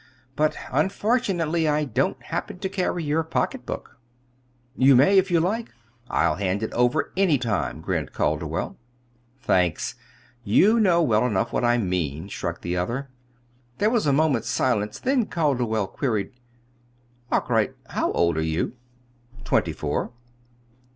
But unfortunately I don't happen to carry your pocketbook." "You may, if you like. I'll hand it over any time," grinned Calderwell. "Thanks. You know well enough what I mean," shrugged the other. There was a moment's silence; then Calderwell queried: "Arkwright, how old are you?" "Twenty four."